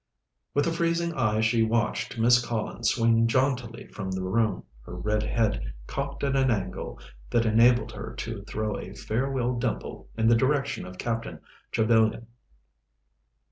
With a freezing eye she watched Miss Collins swing jauntily from the room, her red head cocked at an angle that enabled her to throw a farewell dimple in the direction of Captain Trevellyan.